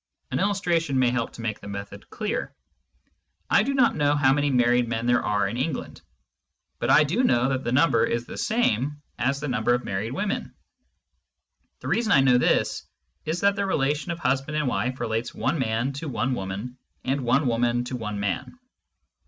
An illustration may help to make the method clear. I do not know how many married men there are in England, but I do know that the number is the same as the number of married women. The reason I know this is that the relation of husband and wife relates one man to one woman and one woman to one man.